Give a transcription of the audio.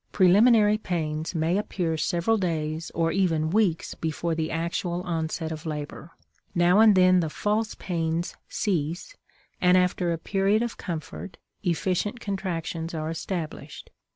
Preliminary pains may appear several days, or even weeks, before the actual onset of labor. Now and then the "false" pains cease, and after a period of comfort efficient contractions are established.